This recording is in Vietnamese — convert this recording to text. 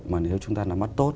mà nếu chúng ta là mắt tốt